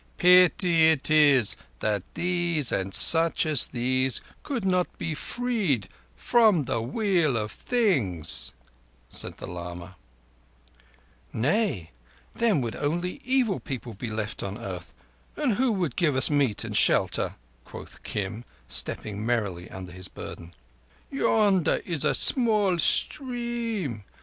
"Pity it is that these and such as these could not be freed from—" "Nay, then would only evil people be left on the earth, and who would give us meat and shelter?" quoth Kim, stepping merrily under his burden. "Yonder is a small stream.